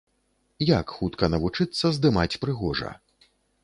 Як хутка навучыцца здымаць прыгожа?